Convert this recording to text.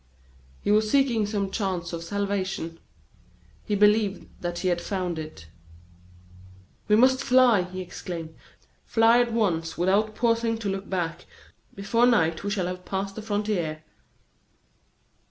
He was seeking some chance of salvation; he believed that he had found it. "We must fly!" he exclaimed: "fly at once without pausing to look back. Before night we shall have passed the frontier."